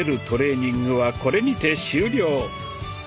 トレーニングはこれにて終了！